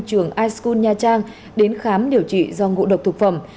trường iskun nha trang đến khám điều trị do ngộ độc thực phẩm